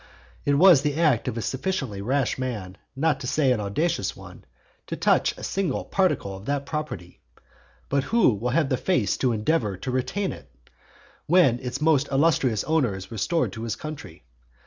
It was the act of a sufficiently rash man, not to say an audacious one, to touch a single particle of that property; but who will have the face to endeavour to retain it, when its most illustrious owner is restored to his country?